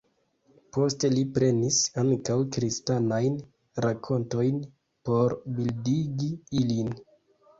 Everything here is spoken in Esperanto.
Poste li prenis ankaŭ kristanajn rakontojn por bildigi ilin.